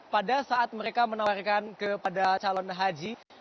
pada saat mereka menawarkan kepada calon haji